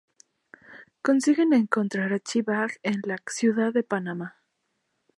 Consiguen encontrar a T-Bag en la ciudad de Panamá.